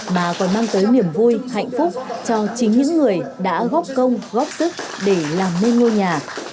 mà còn mang tới niềm vui hạnh phúc cho chính những người đã góp công góp sức để làm nên ngôi nhà